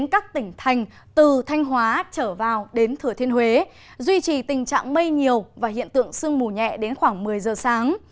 các tỉnh thành từ thanh hóa trở vào đến thừa thiên huế duy trì tình trạng mây nhiều và hiện tượng sương mù nhẹ đến khoảng một mươi giờ sáng